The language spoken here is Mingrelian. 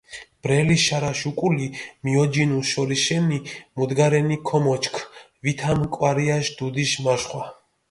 ბრელი შარაშ უკული მიოჯინუ შორიშენი, მუდგარენი ქომოჩქ, ვითამ კვარიაში დუდიში მაშხვა.